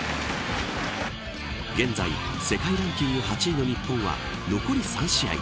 現在、世界ランキング８位の日本は残り３試合。